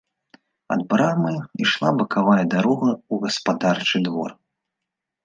Ад брамы ішла бакавая дарога ў гаспадарчы двор.